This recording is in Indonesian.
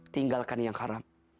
tinggalkan yang haram